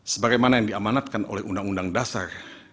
sebagaimana yang diamanatkan oleh undang undang dasar